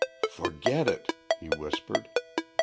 "Forget it!" he whispered.